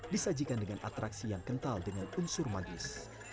disajikan dengan atraksi yang kental dengan unsur magis